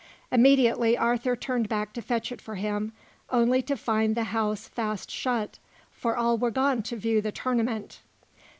Immediately Arthur turned back to fetch it for him, only to find the house fast shut, for all were gone to view the tournament.